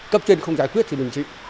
cấp trên không giải quyết thì mình chịu